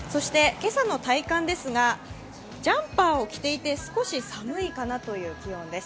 今朝の体感ですが、ジャンパーを着ていて少し寒いかなという気温です。